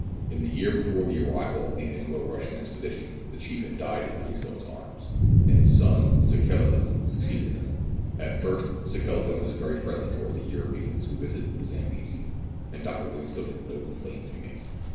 In the year before the arrival of the Anglo Russian expedition the chief had died in Livingstone's arms, and his son Sekeleton succeeded him. At first Sekeleton was very friendly towards the Euro peans who visited the Zambesi, and Dr. Livingstone had no complaint to make.